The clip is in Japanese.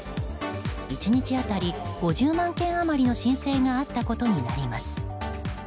１日当たり５０万件余りの申請があったことになります。